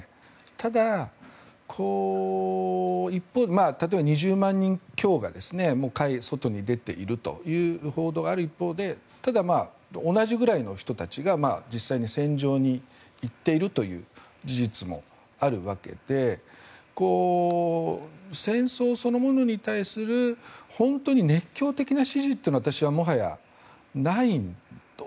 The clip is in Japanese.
ただ、例えば２０万人強が外に出ているという報道がある一方でただ同じぐらいの人たちが実際に戦場に行っているという事実もあるわけで戦争そのものに対する本当に熱狂的な支持というのは私は、もはやないと。